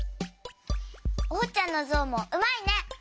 おうちゃんのゾウもうまいね！